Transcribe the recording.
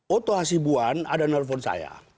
otohasibuan ada non phone saya